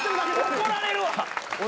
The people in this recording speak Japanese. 怒られるわ。